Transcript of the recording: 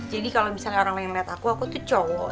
jadi kalo misalnya orang lain ngeliat aku aku tuh cowok